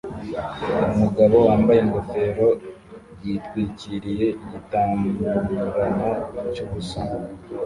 Umugabo wambaye ingofero yitwikiriye igitaramo cyubusa